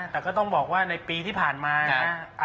แต่ก็ต้องบอกว่าในปีที่ผ่านมานะ